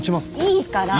いいから！